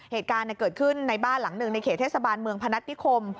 เหตุการณ์เกิดขึ้นในบ้านหลังหนึ่งในเขตเทศบาลเมืองพนัฐนิคม